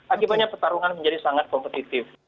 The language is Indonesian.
akibatnya pertarungan menjadi sangat kompetitif